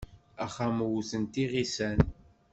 Axxam wwten-t yiγisan.